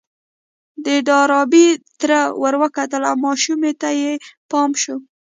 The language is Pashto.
د ډاربي تره ور وکتل او ماشومې ته يې پام شو.